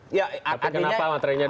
tapi kenapa materinya dua ribu empat belas